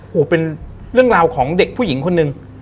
โอ้โหเป็นเรื่องราวของเด็กผู้หญิงคนหนึ่ง